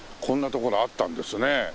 こんな所あったんですね。